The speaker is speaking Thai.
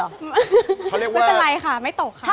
แล้วไปไหนค่ะไม่ตกค่ะ